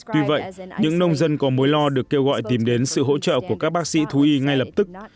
tuy vậy những nông dân có mối lo được kêu gọi tìm đến sự hỗ trợ của các bác sĩ thú y ngay lập tức